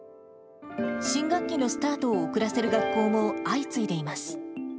新学期のスタートを遅らせる学校も相次いでいます。